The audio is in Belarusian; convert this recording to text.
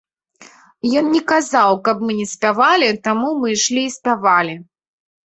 Ён не казаў, каб мы не спявалі, таму мы ішлі і спявалі.